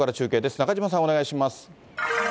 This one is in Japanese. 中島さん、お願いします。